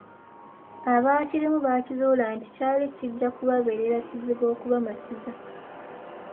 Abaakirimu baakizuula nti kyali kijja kubabeerera kizibu okubamattiza